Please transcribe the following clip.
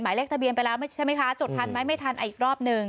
เลขทะเบียนไปแล้วใช่ไหมคะจดทันไหมไม่ทันอีกรอบหนึ่ง